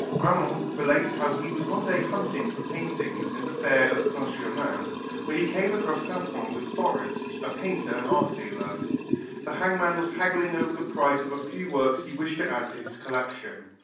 Grammont relates how he was one day hunting for paintings at the fair of Saint Germain, when he came across Sanson with Forest, a painter and art dealer. The hangman was haggling over the price of a few works he wished to add to his collection.